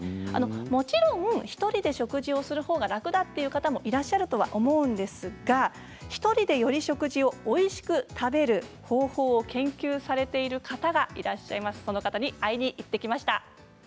もちろん１人で食事をするほうが楽だという方もいらっしゃるとは思うんですが１人で、より食事をおいしく食べる方法を研究されている方がいらっしゃいます。